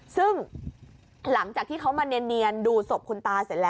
ซึ่งหลังจากที่เขามาเนียนดูศพคุณตาเสร็จแล้ว